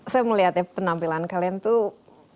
saya melihat ya penampilan kalian tuh